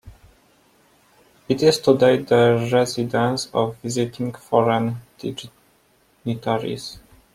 It is today the residence of visiting foreign dignitaries.